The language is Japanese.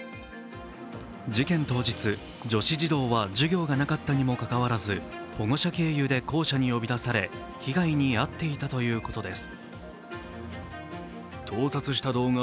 事件当日、女子児童は授業がなかったにもかかわらず、保護者経由で校舎に呼び出され被害に遭っていたということです。